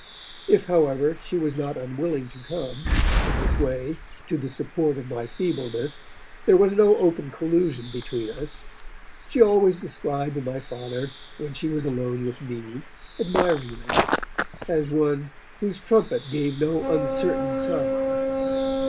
If, however, she was not unwilling to come, in this way, to the support of my feebleness, there was no open collusion between us. She always described my Father, when she was alone with me, admiringly, as one 'whose trumpet gave no uncertain sound'.